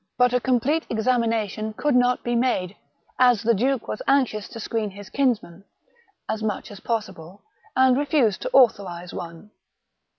But a com plete examination could not be made, as the duke was anxious to screen his kinsman as much as possible, and refused to authorize one.